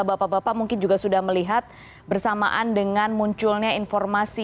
bapak bapak mungkin juga sudah melihat bersamaan dengan munculnya informasi